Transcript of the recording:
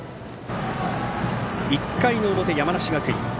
１回の表、山梨学院。